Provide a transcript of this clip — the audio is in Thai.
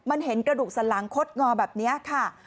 มันเห็นกระดูกสันหลังคดงอแบบนี้ค่ะ